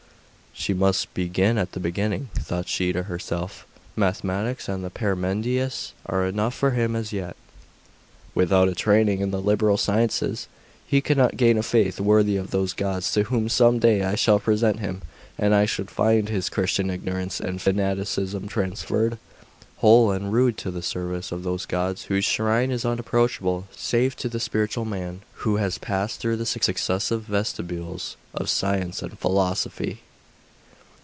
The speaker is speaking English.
'He must begin at the beginning,' thought she to herself. 'Mathematics and the Parmenides are enough for him as yet. Without a training in the liberal sciences be cannot gain a faith worthy of those gods to whom some day I shall present him; and I should find his Christian ignorance and fanaticism transferred, whole and rude, to the service of those gods whose shrine is unapproachable save to the spiritual man, who has passed through the successive vestibules of science and philosophy.